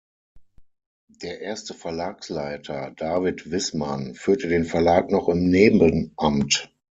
Der erste Verlagsleiter, David Wissmann, führte den Verlag noch im Nebenamt.